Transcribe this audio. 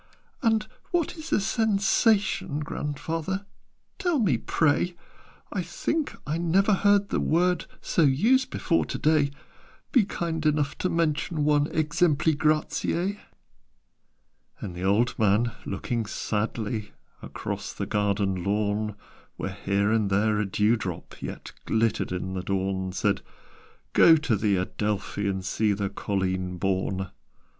"And what is a Sensation, Grandfather, tell me, pray? I think I never heard the word So used before to day: Be kind enough to mention one 'Exempli gratiâ.'" And the old man, looking sadly Across the garden lawn, Where here and there a dew drop Yet glittered in the dawn, Said "Go to the Adelphi, And see the 'Colleen Bawn.'